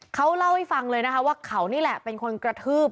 เขาเล่าให้ฟังเลยนะคะว่าเขานี่แหละเป็นคนกระทืบ